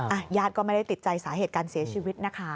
ญาติก็ไม่ได้ติดใจสาเหตุการเสียชีวิตนะคะ